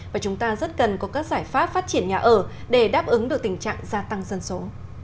và chúng ta rất cần có các giải pháp phát triển nhà ở để đáp ứng được tình trạng gia tăng dân số